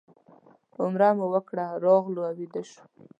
عمره مو وکړه راغلو او ویده شوو.